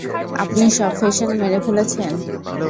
আপনি সব ফসল মেরে ফেলেছেন।